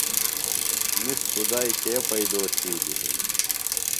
نِس خُدائی کے پیئدو تِھیلیۡ ہِنیۡ۔